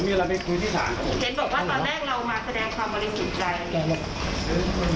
เขียนข่าวเกินคือเขาเขาอยู่ในส่วนไหนนะ